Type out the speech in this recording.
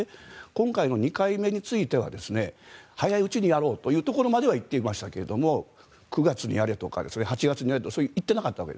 今回の２回目については早いうちにやろうというところまでは言っていましたけど９月にやるとか８月にやるとか言っていなかった。